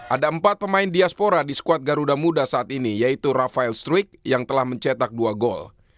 ada empat pemain diaspora di skuad garuda muda saat ini yaitu rafael struik yang telah mencetak dua gol